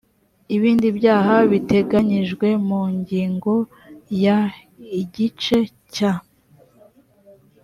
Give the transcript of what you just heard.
ibindi byaha biteganyijwe mu ngingo ya igice cya